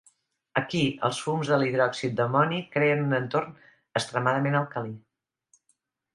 Aquí, els fums de l'hidròxid d'amoni creen un entorn extremadament alcalí.